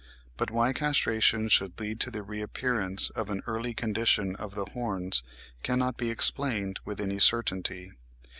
But why castration should lead to the reappearance of an early condition of the horns cannot be explained with any certainty.